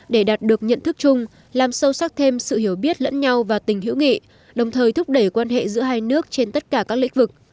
để đạt được nhận thức chung làm sâu sắc thêm sự hiểu biết lẫn nhau và tình hữu nghị đồng thời thúc đẩy quan hệ giữa hai nước trên tất cả các lĩnh vực